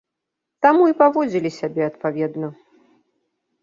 Таму і паводзілі сябе адпаведна.